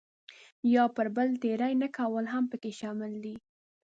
یو پر بل تېری نه کول هم پکې شامل دي.